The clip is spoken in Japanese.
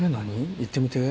いってみて。